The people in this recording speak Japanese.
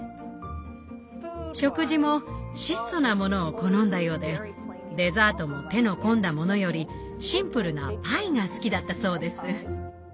食事も質素なものを好んだようでデザートも手の込んだものよりシンプルなパイが好きだったそうです。